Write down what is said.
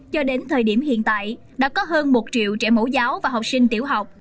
cho đến thời điểm hiện tại đã có hơn một triệu trẻ mẫu giáo và học sinh tiểu học